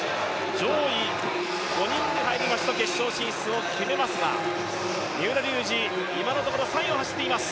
上位５人に入りますと、決勝進出を決めますが、三浦龍司、今のところ３位を走っています。